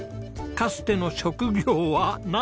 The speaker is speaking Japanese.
かつての職業はなんと。